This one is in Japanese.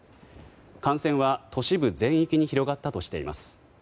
感染は都市部全域に広がったとしています。